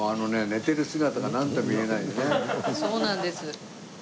そうなんです。